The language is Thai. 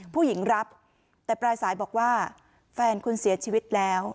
ผู้หญิงรับแต่ปลายสายบอกว่าแฟนคุณเสียชีวิตแล้ว